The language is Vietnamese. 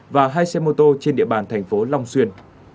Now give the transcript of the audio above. và hai xe mô tô trên địa bàn thành phố long xuyên